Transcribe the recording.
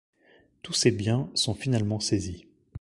Tous ses biens sont finalement saisis.